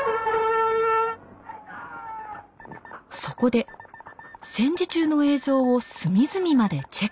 そこで戦時中の映像を隅々までチェック。